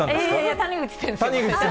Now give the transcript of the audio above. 谷口先生が。